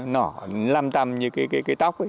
nở lăm tăm như cái tóc ấy